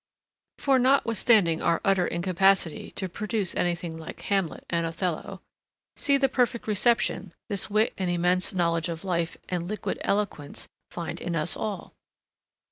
For notwithstanding our utter incapacity to produce anything like Hamlet and Othello, see the perfect reception this wit and immense knowledge of life and liquid eloquence find in us all.